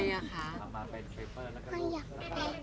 ไม่อยากไป